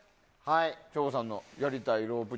省吾さんのやりたいロープ術。